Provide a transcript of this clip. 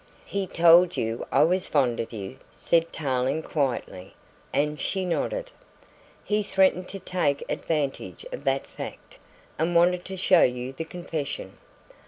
"He told you I was fond of you," said Tarling quietly, and she nodded. "He threatened to take advantage of that fact, and wanted to show you the confession."